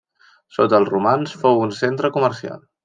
Sota els romans, fou un centre comercial.